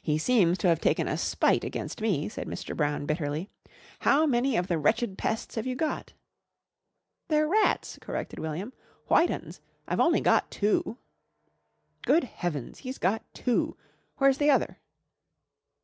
"He seems to have taken a spite against me," said Mr. Brown bitterly. "How many of the wretched pests have you got?" "They're rats," corrected William, "White 'uns. I've only got two." "Good Heavens! He's got two. Where's the other?"